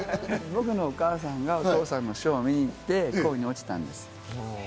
僕のお母さんがお父さんのショーを見に行って恋に落ちたんです。